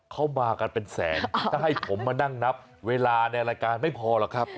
เขามากันเป็นแสนถ้าให้ผมมานั่งนับเวลาในรายการไม่พอหรอกครับ